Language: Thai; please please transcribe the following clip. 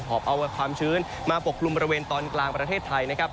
อบเอาความชื้นมาปกกลุ่มบริเวณตอนกลางประเทศไทยนะครับ